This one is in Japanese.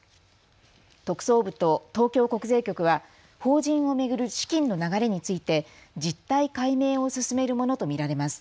特捜部と東京国税局は法人を巡る資金の流れについて実態解明を進めるものと見られます。